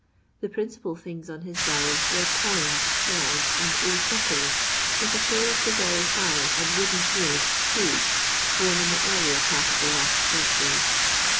The principal things on his barrow were coins, shells, and old buckles, with a pair of the very high and wooden heeled shoes, worn in the earlier part of the last century.